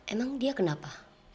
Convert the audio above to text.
emang dia kenapa